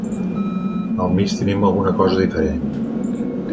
Al mig tenim alguna cosa diferent.